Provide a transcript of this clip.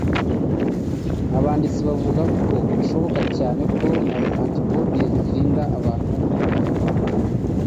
Abanditsi bavuga ko "bishoboka cyane" ko antibodies zirinda abantu kongera kwandura